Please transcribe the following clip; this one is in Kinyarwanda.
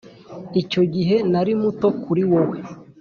icyo gihe nari muto kuri wowe